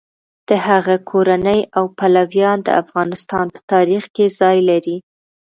د هغه کورنۍ او پلویان د افغانستان په تاریخ کې ځای لري.